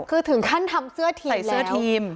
คือถึงขั้นทำเสื้อทีมใส่เสื้อทีม